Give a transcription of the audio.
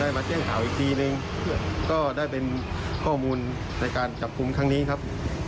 ได้มาเตี้ยงข่าวอีกทีหนึ่งเพื่อก็ได้เป็นข้อมูลในการจับคุมครั้งนี้ครับ